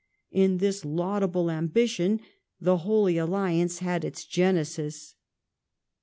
In this laudable ambition the Holy Alliance had its genesis.